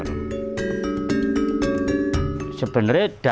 sebenarnya dari perusahaan yang kita lakukan kita bisa menghasilkan kekuatan yang sangat besar